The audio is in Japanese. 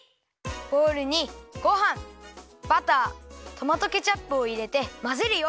ボウルにごはんバタートマトケチャップをいれてまぜるよ。